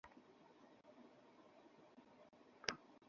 এঁদের নিয়ে প্রথম আলোতে অনুসন্ধানী একাধিক প্রতিবেদন বিভিন্ন সময় ছাপা হয়েছে।